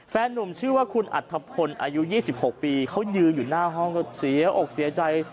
หนุ่มชื่อว่าคุณอัธพลอายุ๒๖ปีเขายืนอยู่หน้าห้องก็เสียอกเสียใจ